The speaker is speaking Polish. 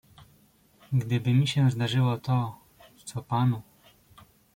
"Gdyby mi się zdarzyło to, co panu."